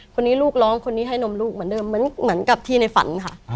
คนนี้ลูกร้องคนนี้ให้นมลูกเหมือนเดิมเหมือนกับที่ในฝันค่ะ